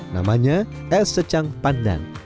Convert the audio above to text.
namanya es secang pandan